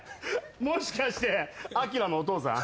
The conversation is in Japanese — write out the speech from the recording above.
もしかしてアキラのお父さん？